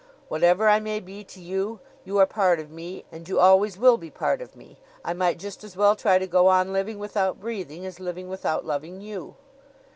Whatever I may be to you, you are part of me, and you always will be part of me. I might just as well try to go on living without breathing as living without loving you."